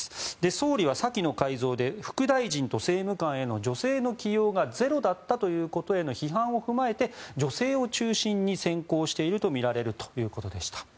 総理は先の改造で副大臣と政務官への女性の起用がゼロだったということへの批判を踏まえて女性を中心に選考しているとみられるということでした。